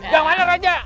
yang mana raja